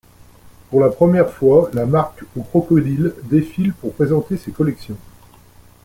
Pour la première fois, la marque au crocodile défile pour présenter ses collections.